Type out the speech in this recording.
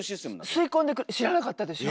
吸い込んでくれる知らなかったでしょ？